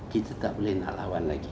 kita tidak boleh lawan lagi